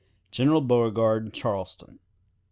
"General Beauregard, Charleston.